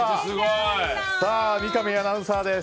三上アナウンサーです。